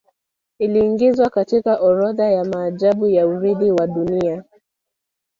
Iliiingizwa katika orodha ya maajabu ya Urithi wa Dunia